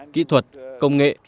kỹ thuật công nghệ